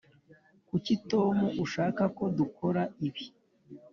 kuki tom ashaka ko dukora ibi?